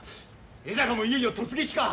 江坂もいよいよ突撃か。